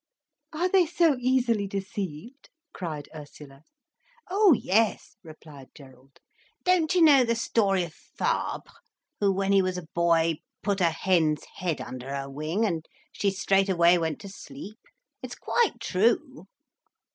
"Are they so easily deceived?" cried Ursula. "Oh, yes," replied Gerald. "Don't you know the story of Fabre, who, when he was a boy, put a hen's head under her wing, and she straight away went to sleep? It's quite true."